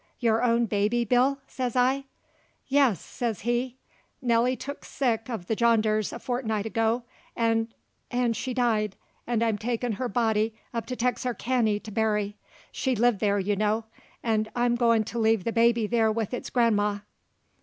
"Your own baby, Bill?" says I. "Yes," says he. "Nellie took sick uv the janders a fortnight ago, 'nd 'nd she died, 'nd I'm takin' her body up to Texarkany to bury. She lived there, you know, 'nd I'm goin' to leave the baby there with its gran'ma."